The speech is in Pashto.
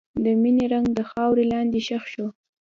د مینې رنګ د خاورې لاندې ښخ شو.